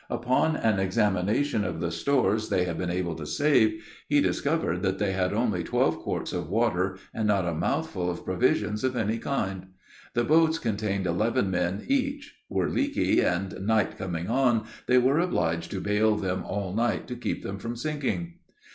Upon an examination of the stores they had been able to save, he discovered that they had only twelve quarts of water, and not a mouthful of provisions of any kind! The boats contained eleven men each; were leaky, and night coming on, they were obliged to bail them all night to keep them from sinking!